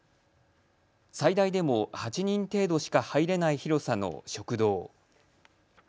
最大でも８人程度しか入れない広さの食堂。